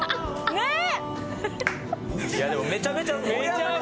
ねっ。